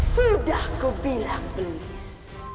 sudah kubilang belis